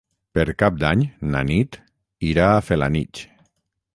Per Cap d'Any na Nit irà a Felanitx.